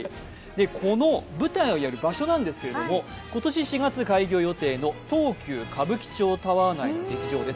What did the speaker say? この舞台をやる場所なんですけども、今年４月、開業予定の東急歌舞伎町タワー内の劇場です。